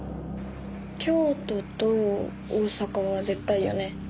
京都と大阪は絶対よね？